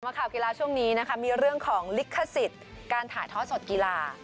ข่าวกีฬาช่วงนี้นะคะมีเรื่องของลิขสิทธิ์การถ่ายทอดสดกีฬา